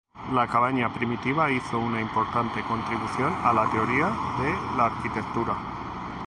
La cabaña primitiva hizo una importante contribución a la teoría de la arquitectura.